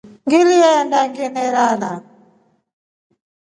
Ngirenda ngilirara.